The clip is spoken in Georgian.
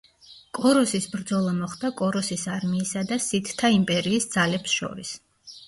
კოროსის ბრძოლა მოხდა კოროსის არმიისა და სითთა იმპერიის ძალებს შორის.